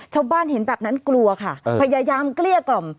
ชาวบ้านเห็นแบบนั้นกลัวค่ะพยายามเกลี้ยกล่อม